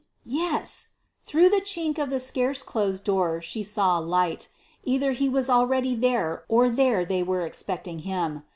Yes! Through the chink of the scarce closed door she saw light. Either he was already there or there they were expecting him.